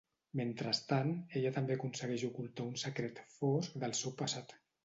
Mentrestant, ella també aconsegueix ocultar un secret fosc del seu passat.